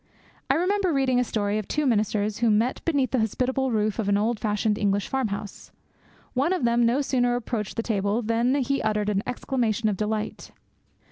I remember reading a story of two ministers who met beneath the hospitable roof of an old fashioned English farm house. One of them no sooner approached the table than he uttered an exclamation of delight.